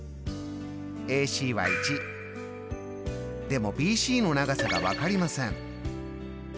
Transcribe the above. でもＢＣの長さが分かりません。